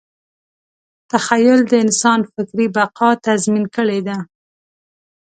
تخیل د انسان فکري بقا تضمین کړې ده.